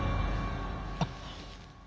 あっ。